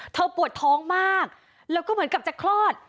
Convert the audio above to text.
ปวดท้องมากแล้วก็เหมือนกับจะคลอด